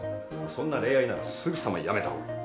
そんな恋愛ならすぐさまやめた方がいい。